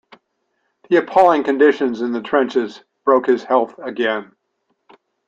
The appalling conditions in the trenches broke his health again.